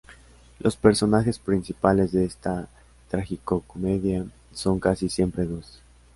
Los personajes principales de esta tragicomedia son casi siempre dos.